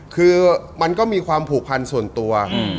คือมันก็มีความผูกพันส่วนตัว